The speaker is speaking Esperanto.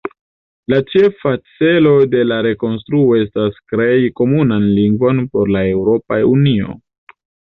La ĉefa celo de la rekonstruo estas krei komunan lingvon por la Eŭropa Unio.